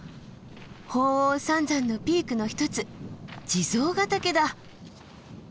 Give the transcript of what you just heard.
鳳凰三山のピークの一つ地蔵ヶ岳だ。